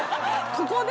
ここで？